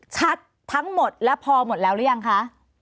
ทั้งหมดและพอหมดแล้วหรือยังคะ